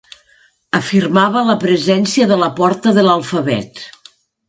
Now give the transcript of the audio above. Afirmava la presència de la porta de l'alfabet.